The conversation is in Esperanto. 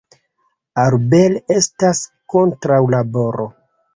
Albert estas kontraŭ laboro.